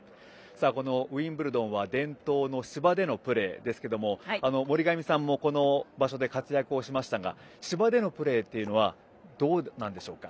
このウィンブルドンは伝統の芝でのプレーですけども森上さんもこの場所で活躍をしましたが芝でのプレーというのはどうなんでしょうか。